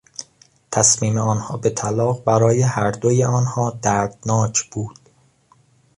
تصمیم آنها به طلاق برای هر دوی آنها دردناک بود.